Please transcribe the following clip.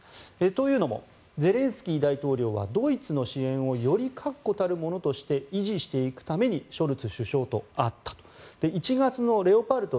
というのもゼレンスキー大統領はドイツの支援をより確固たるものとして維持していくためにショルツ首相と会った１月のレオパルト